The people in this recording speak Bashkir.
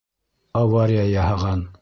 Авария яһаған.